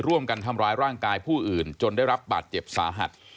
ร่วมกันทำร้ายร่างกายผู้อื่นจนได้รับบาดเจ็บสาหัส